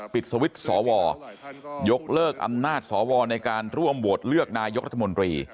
ปิดสวิตช์สวยกเลิกอำนาจสวในการร่วมโหวตเลือกนายกรัฐมนตรี